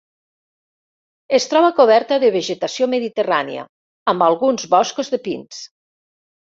Es troba coberta de vegetació mediterrània, amb alguns boscos de pins.